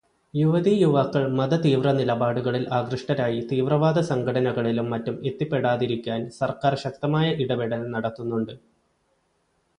യുവതീ യുവാക്കൾ മതതീവ്രനിലപാടുകളിൽ ആകൃഷ്ടരായി തീവ്രവാദസംഘടനകളിലും മറ്റും എത്തിപ്പെടാതിരിക്കാൻ സർക്കാർ ശക്തമായ ഇടപെടൽ നടത്തുന്നുണ്ട്.